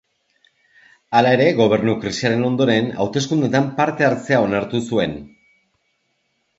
Hala ere, gobernu krisiaren ondoren, hauteskundeetan parte hartzea onartu zuen.